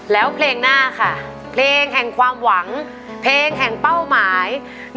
แล้วเพลงหน้าค่ะเพลงแห่งความหวังเพลงแห่งเป้าหมาย